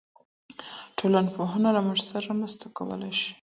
ټولنپوهنه له موږ سره مرسته کولای سي.